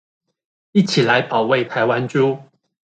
一起來保衛台灣豬